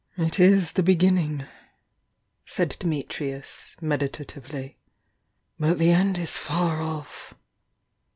"It is the beginningi" said Dimitrius, meditative ly. "But the end is tar off!"